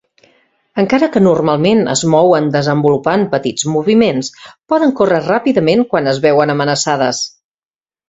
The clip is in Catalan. Encara que normalment es mouen desenvolupant petits moviments, poden córrer ràpidament quan es veuen amenaçades.